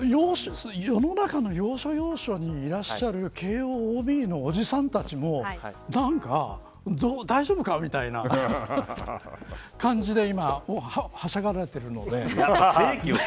世の中の要所要所にいらっしゃる慶応ＯＢのおじさんたちもなんか大丈夫かみたいな感じで今はしゃがれているので。